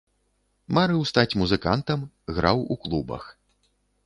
Марыў стаць музыкантам, граў у клубах.